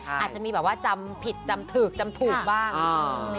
อาจจะมีแบบว่าจำผิดจำถูกจำถูกบ้าง